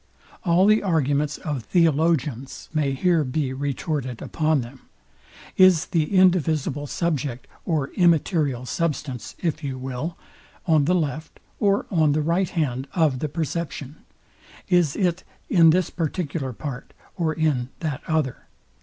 All the arguments of Theologians may here be retorted upon them. Is the indivisible subject, or immaterial substance, if you will, on the left or on the right hand of the perception? Is it in this particular part, or in that other?